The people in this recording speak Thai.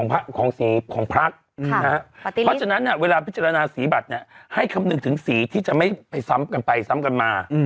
เพราะฉะนั้นเวลาพิจารณาสีบัตรให้คำนึงถึงสีที่จะไม่ไปซ้ำกันไปซ้ำกันมา